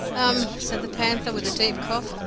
"Um!" said the Panther, with a deep cough.